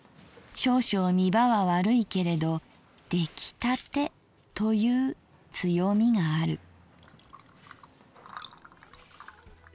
少々見場は悪いけれど出来たてという強みがある」。